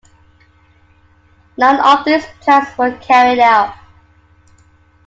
None of these plans were carried out.